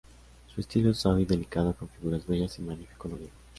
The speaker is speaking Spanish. Su estilo es suave y delicado, con figuras bellas y magnífico colorido.